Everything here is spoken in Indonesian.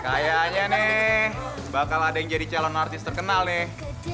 kayaknya nih bakal ada yang jadi calon artis terkenal nih